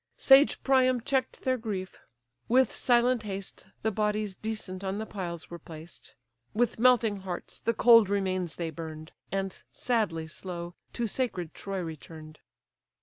Sage Priam check'd their grief: with silent haste The bodies decent on the piles were placed: With melting hearts the cold remains they burn'd, And, sadly slow, to sacred Troy return'd.